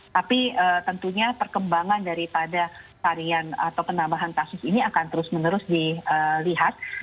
tapi tentunya perkembangan daripada varian atau penambahan kasus ini akan terus menerus dilihat